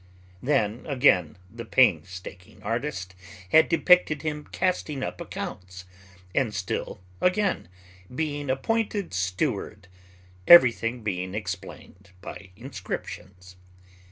Then again the painstaking artist had depicted him casting up accounts, and still again, being appointed steward; everything being explained by inscriptions.